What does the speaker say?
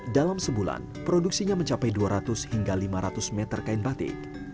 dalam sebulan produksinya mencapai dua ratus hingga lima ratus meter kain batik